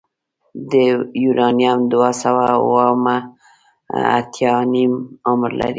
د یورانیم دوه سوه اوومه اتیا نیم عمر لري.